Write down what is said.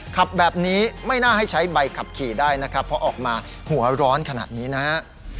ขับแบบนี้ไม่น่าให้ใช้ใบขับขี่ได้นะครับเพราะออกมาหัวร้อนขนาดนี้นะฮะ